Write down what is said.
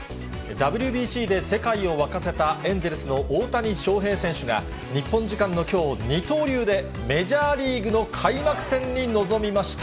ＷＢＣで世界を沸かせたエンゼルスの大谷翔平選手が、日本時間のきょう、二刀流でメジャーリーグの開幕戦に臨みました。